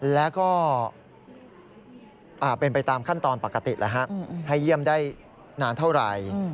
แล้วก็เป็นไปตามขั้นตอนปกติแล้วฮะให้เยี่ยมได้นานเท่าไหร่